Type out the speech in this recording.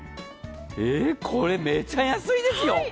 えーこれめちゃ安いですよ。